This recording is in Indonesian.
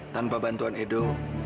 tanpa bantuan edo